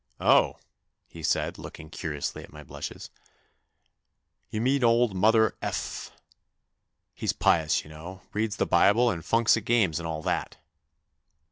" Oh," he said, look ing curiously at my blushes, "you mean old mother F . He's pious, you know; reads the Bible and funks at games and all that."